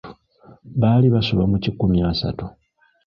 Baali basoba mu kikumi asatu.